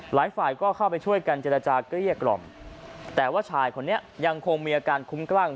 หลายฝ่ายก็เข้าไปช่วยกันเจรจาเกลี้ยกล่อมแต่ว่าชายคนนี้ยังคงมีอาการคุ้มคลั่ง